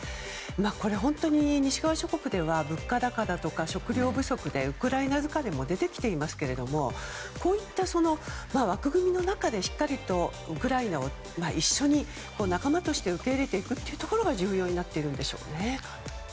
これ、本当に西側諸国では物価高とか食料不足でウクライナ疲れも出てきていますけどもこうした枠組みの中でしっかりウクライナを一緒に仲間として受け入れていくということが重要になっているんでしょうね。